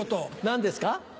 何ですか？